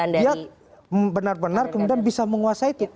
dia benar benar kemudian bisa menguasai itu